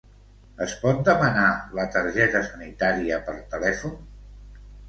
Es pot demanar la targeta sanitària per telèfon?